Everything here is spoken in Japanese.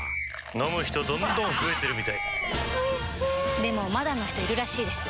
飲む人どんどん増えてるみたいおいしでもまだの人いるらしいですよ